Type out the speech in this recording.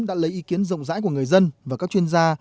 đã lấy ý kiến rộng rãi của người dân và các chuyên gia